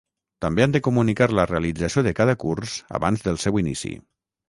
També han de comunicar la realització de cada curs abans del seu inici.